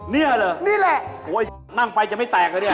เนี่ยเหรอนี่แหละโอ้ยนั่งไปจะไม่แตกเลยเนี่ย